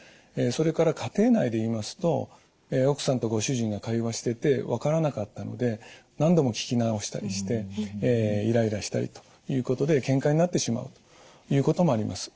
それから家庭内で言いますと奥さんとご主人が会話してて分からなかったので何度も聞き直したりしてイライラしたりということでけんかになってしまうということもあります。